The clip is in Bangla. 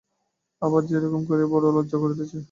আবার, যে রকম করিয়া বলিয়াছি, বড় লজ্জা করিতেছে?